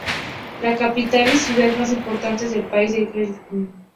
La capital y ciudad más importante del país es Helsinki.